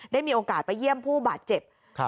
ได้มีโอกาสไปเยี่ยมผู้บาดเจ็บ